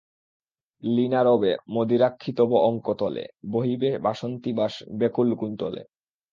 লীনা রবে মদিরাক্ষী তব অঙ্কতলে, বহিবে বাসন্তীবাস ব্যাকুল কুন্তলে।